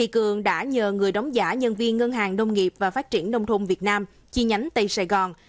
cường đã nhờ người đóng giả nhân viên ngân hàng nông nghiệp và phát triển nông thôn việt nam chi nhánh tây sài gòn